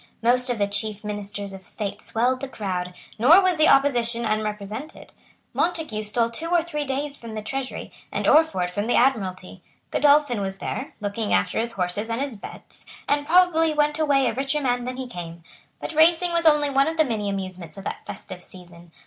Most of the chief ministers of state swelled the crowd; nor was the opposition unrepresented. Montague stole two or three days from the Treasury, and Orford from the Admiralty. Godolphin was there, looking after his horses and his bets, and probably went away a richer man than he came. But racing was only one of the many amusements of that festive season.